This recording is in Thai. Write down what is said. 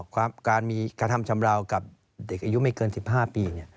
การมีคุณธรรมชำระเอาด้วยเด็กอายุไม่เกิน๑๕ปี